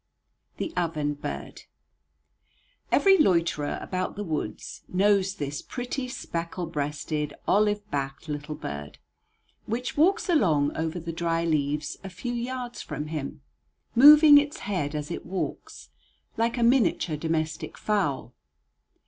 THE OVEN BIRD Every loiterer about the woods knows this pretty, speckled breasted, olive backed little bird, which walks along over the dry leaves a few yards from him, moving its head as it walks, like a miniature domestic fowl.